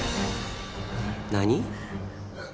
何？